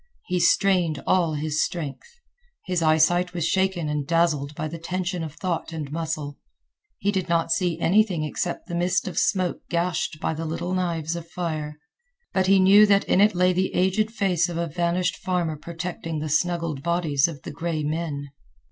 He strained all his strength. His eyesight was shaken and dazzled by the tension of thought and muscle. He did not see anything excepting the mist of smoke gashed by the little knives of fire, but he knew that in it lay the aged fence of a vanished farmer protecting the snuggled bodies of the gray men.